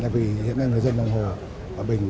vì hiện nay người dân lòng hồ ở bình